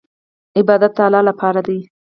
عبادت د الله لپاره دی.